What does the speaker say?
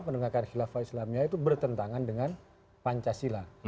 pendengarkan khilafah islamiyah itu bertentangan dengan pancasila